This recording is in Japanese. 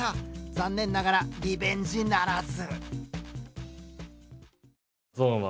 残念ながらリベンジならず。